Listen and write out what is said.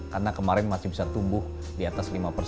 karena kemarin masih bisa tumbuh di atas lima